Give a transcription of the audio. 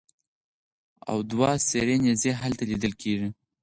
او دوه سرې نېزې هلته لیدلې کېږي.